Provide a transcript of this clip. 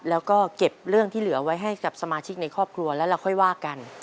แล้วก็เก็บเรื่องที่เหลือไว้ให้กับสมาชิกในครอบครัวแล้วเราค่อยว่ากัน